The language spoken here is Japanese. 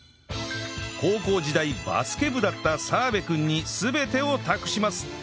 高校時代バスケ部だった澤部君に全てを託します